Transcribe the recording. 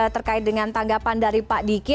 terkait dengan tanggapan dari pak diki